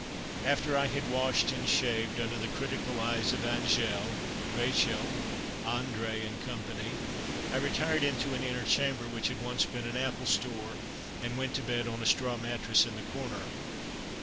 After I had washed and shaved under the critical eyes of Angèle, Rachel, André and Co., I retired into an inner chamber which had once been an apple store, and went to bed on a straw mattress in the corner.